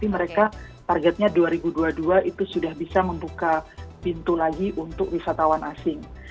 mereka targetnya dua ribu dua puluh dua itu sudah bisa membuka pintu lagi untuk wisatawan asing